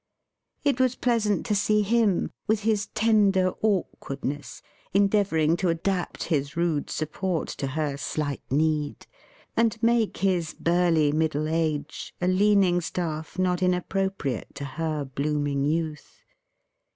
It was pleasant to see him, with his tender awkwardness, endeavouring to adapt his rude support to her slight need, and make his burly middle age a leaning staff not inappropriate to her blooming youth.